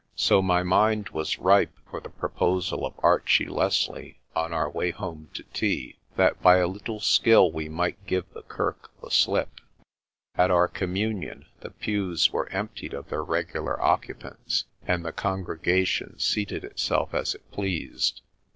So my mind was ripe for the proposal of Archie Leslie, on our way home to tea, that by a little skill we might give the kirk the slip. At our Communion the pews were emptied of their regular occupants and the congregation MAN ON KIRKCAPLE SHORE 13 seated itself as it pleased.